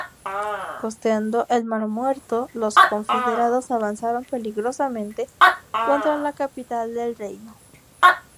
Costeando el Mar Muerto, los confederados avanzaron peligrosamente contra la capital del reino.